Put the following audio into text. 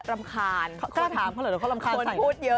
รำคาญกล้าถามหรือเดี๋ยวเขารำคาญใส่คุณพูด